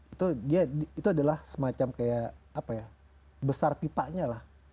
itu dia itu adalah semacam kayak apa ya besar pipanya lah